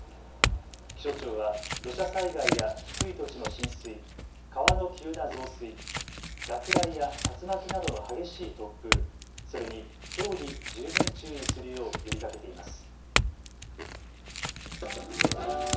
気象庁は土砂災害や低い土地の浸水、川の急な増水、落雷や竜巻などの激しい突風、それにひょうに十分注意するよう呼びかけています。